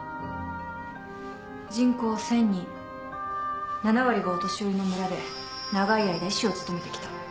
人口１，０００人７割がお年寄りの村で長い間医師を務めてきた。